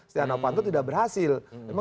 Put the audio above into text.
stiano panto tidak berhasil